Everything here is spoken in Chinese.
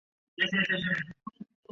老城站位于布拉格老城广场。